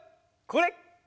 これ！